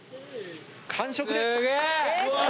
完食です！